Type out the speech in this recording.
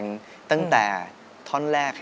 ยิ่งเสียใจ